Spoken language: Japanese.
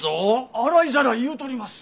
洗いざらい言うとります。